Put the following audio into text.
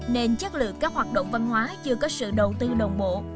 nên chất lượng các hoạt động văn hóa chưa có sự đầu tư đồng bộ